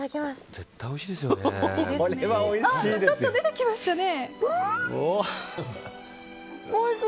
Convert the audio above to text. ちょっと出てきましたね。